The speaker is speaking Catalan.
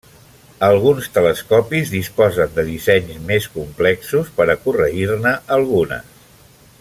Alguns telescopis disposen de dissenys més complexos per a corregir-ne algunes.